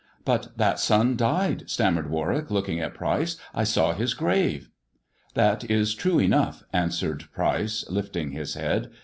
" But that son died," stammered Warwick, looking at Pryce. " I saw his grave." " That is true enough," answered Pryce, lifting his head.